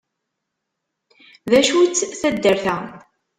D acu-tt taddart-a?